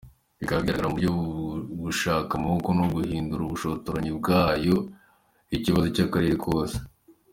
bikaba bigaragara mu buryo gushaka amaboko no guhindura ubushotoranyi bwayo ikibazo cy’akarere kose.